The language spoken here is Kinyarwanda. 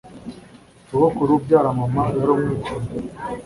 Sogokuru ubyara mama yari umwicanyi.